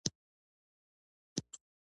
په دې توګه موږ پوهېږو چې کله